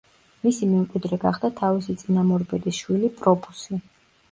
მისი მემკვიდრე გახდა თავისი წინამორბედის შვილი პრობუსი.